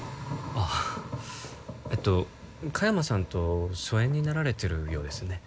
ああえっと香山さんと疎遠になられてるようですね